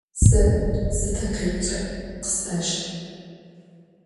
Zegu, zı takhikhç'e khısajj!